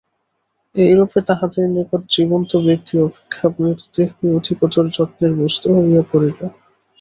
এইরূপে তাহাদের নিকট জীবন্ত ব্যক্তি অপেক্ষা মৃতদেহই অধিকতর যত্নের বস্তু হইয়া পড়িল।